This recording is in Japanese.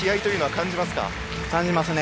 感じますね。